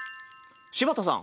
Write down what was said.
柴田さん